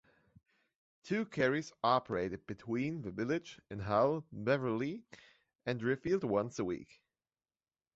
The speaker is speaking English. Two carriers operated between the village and Hull, Beverley, and Driffield once a week.